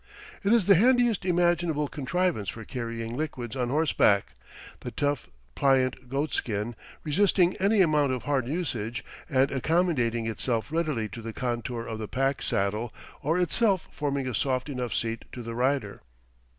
It is the handiest imaginable contrivance for carrying liquids on horseback, the tough, pliant goat skin resisting any amount of hard usage and accommodating itself readily to the contour of the pack saddle, or itself forming a soft enough seat to the rider.